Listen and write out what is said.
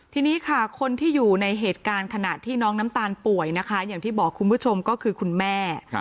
ทีนี้ค่ะคนที่อยู่ในเหตุการณ์ขณะที่น้องน้ำตาลป่วยนะคะอย่างที่บอกคุณผู้ชมก็คือคุณแม่